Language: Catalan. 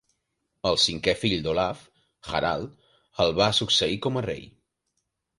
El cinquè fill d'Olav, Harald, el va succeir com a rei.